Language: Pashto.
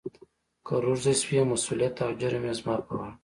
« کهٔ روږدی شوې، مسولیت او جرم یې زما پهٔ غاړه. »